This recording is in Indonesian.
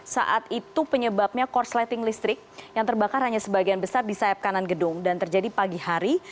saat itu penyebabnya korsleting listrik yang terbakar hanya sebagian besar di sayap kanan gedung dan terjadi pagi hari